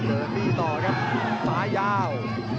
เดินตีต่อครับซ้ายยาว